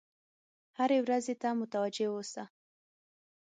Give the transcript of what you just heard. هرې ورځې ته متوجه اوسه.